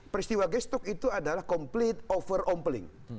peristiwa gestok itu adalah complete over ompling